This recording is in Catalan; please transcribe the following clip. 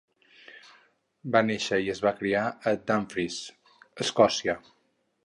Va néixer i es va criar a Dumfries, Escòcia.